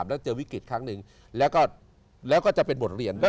แล้วเจอวิกฤตครั้งหนึ่งแล้วก็จะเป็นบทเรียนด้วย